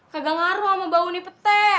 kagak ngaruh sama baunya petek